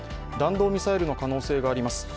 弾道ミサイルの可能性があります。